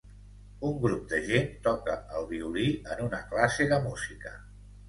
Un grup de gent toca el violí en una classe de música.